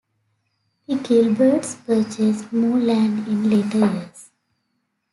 The Gilberts purchased more land in later years.